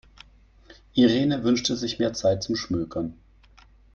Irene wünscht sich mehr Zeit zum Schmökern.